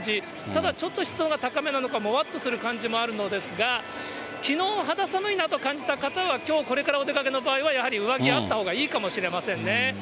ただ、ちょっと湿度が高めなので、もわっとする感じもあるんですが、きのう肌寒いなと感じた方はきょう、これからお出かけの場合はやはり上着、あったほうがいいかもしれませんね。